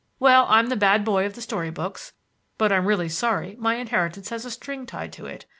"Well, I'm the bad boy of the story books; but I'm really sorry my inheritance has a string tied to it.